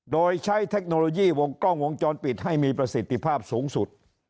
โดยใช้เทคโนโลยีวงกล้องวงจรปิดให้มีประสิทธิภาพสูงสุด